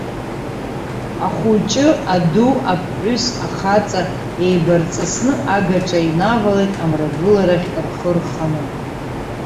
Ахәыҷы, аду, аԥҳәыс, ахаҵа еибарҵысны агаҿа инавалеит амрагыларахь рхы рханы.